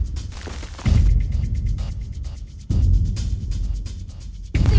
อีทรีย์ต้อนรับ